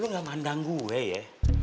lu gak mandang gue ya